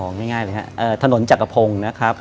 ง่ายเลยครับถนนจักรพงศ์นะครับ